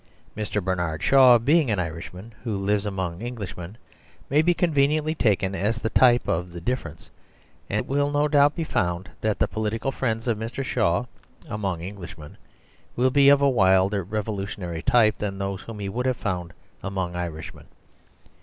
Mr. Bernard Shaw, being an Irishman who lives among Englishmen, may be conven 44 The Superstition of Divorce iently taken as the type of the difference ; and it will no doubt be found that the political friends of Mr. Shaw, among Englishmen, will be of a wilder revolutionary type than those whom he would have found among Irishmen.